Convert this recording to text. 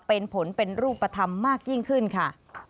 เป็นผลเป็นรูปธรรมมากยิ่งขึ้นค่ะ